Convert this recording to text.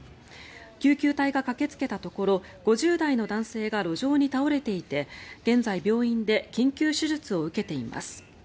救急隊が駆けつけたところ５０代の男性が路上に倒れていて現在病院で緊急手術を受けています。